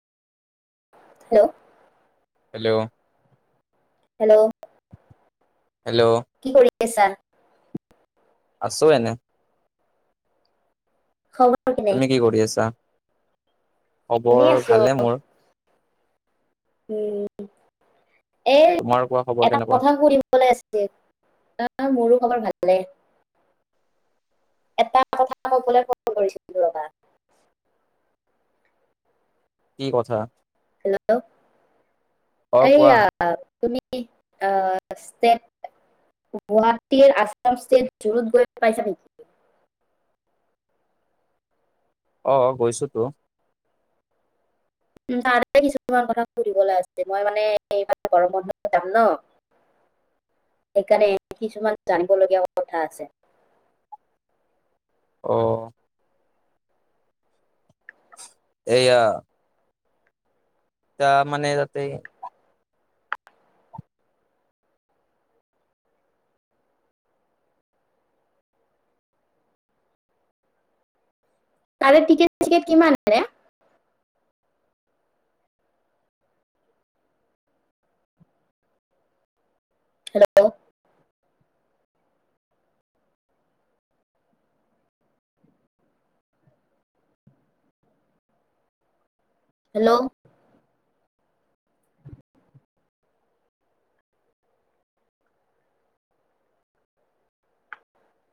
Hello? Hello? Hello? Hello? এছা আছোঁ এনে। খবৰ কেনে তুমি কি কৰি আছা? খবৰ এনেই আছো ভালে মোৰ। উম এ তোমাৰ কোৱা খবৰ এটা কেনেকুৱা কথা সুধিবলৈ আছিল। মোৰো কাৰোবাৰ ভাল ভালে। এটা কথা কবলে ফোন কৰিছিলোঁ ৰবা। কি কথা? হেল্ল'? অ কোৱা এইয়া তুমি অ- ষ্টেট- গুৱাহাটীৰ আসাম ষ্টেট জু ৰ'ড গৈ পাইছা নেকি? অ' গৈছোঁ তো। তাৰে কিছুমান কথা সুধিবলৈ আছে। মই মানে এইবাৰ গৰম বন্ধত যাম ন', সেইকাৰণে কিছুমান জানিবলগীয়া কথা আছে। অ'। এইয়া। এতিয়া মানে তাতে তাৰে টিকেট-চিকেট কিমান? [unintelligible] হেল্ল'? হেল্ল'?